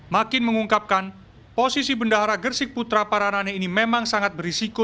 makin mengungkapkan posisi bendahara gersik putra paranane ini memang sangat berisiko